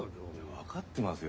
分かってますよ。